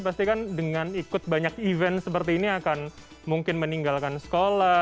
pasti kan dengan ikut banyak event seperti ini akan mungkin meninggalkan sekolah